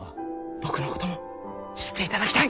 僕のことも知っていただきたい。